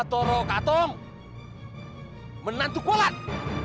ketoro katong menantu kualan